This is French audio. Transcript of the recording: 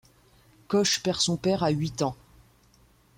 Koch perd son père à huit ans.